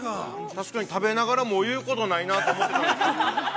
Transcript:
◆確かに食べながら言うことないなと思ってたんですよ。